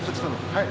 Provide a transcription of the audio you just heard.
はい。